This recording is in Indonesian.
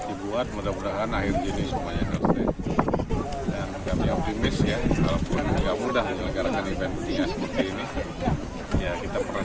dibuat mudah mudahan akhir juni semuanya